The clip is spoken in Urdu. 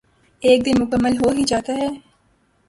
ایک دن مکمل ہو ہی جاتا یے